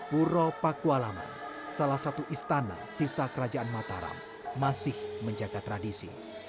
puro pakualaman salah satu istana sisa kerajaan mataram masih menjaga tradisi